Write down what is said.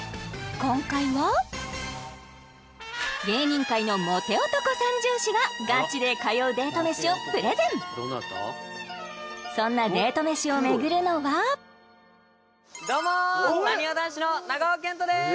今回は芸人界のモテ男三銃士がガチで通うデート飯をプレゼンそんなデート飯を巡るのはどうもなにわ男子の長尾謙杜です！